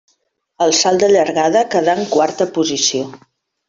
Al salt de llargada quedà en quarta posició.